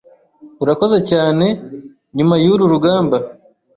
Urakoze cyane nyuma yuru rugamba